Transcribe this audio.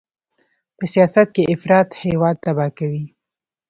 په سیاست کې افراط هېواد تباه کوي.